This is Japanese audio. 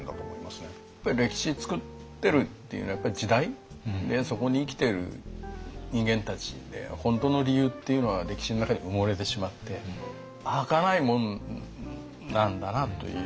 やっぱり歴史作ってるっていうのはやっぱり時代でそこに生きてる人間たちで本当の理由っていうのは歴史の中に埋もれてしまってはかないもんなんだなという。